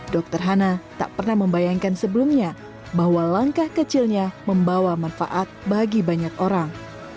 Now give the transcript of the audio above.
dokter hana tak pernah membayangkan sebelumnya bahwa langkah kecilnya membawa manfaat bagi banyak orang